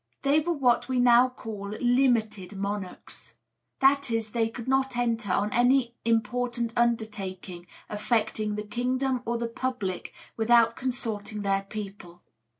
They were what we now call 'limited monarchs'; that is, they could not enter on any important undertaking affecting the kingdom or the public without consulting their people.